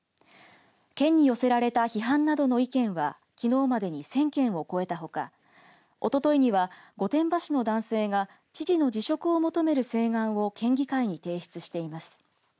県に寄せられた批判などの意見はきのうまでに１０００件を超えたほかおとといには、御殿場市の男性が知事の辞職を求める請願を県議会に提出しています。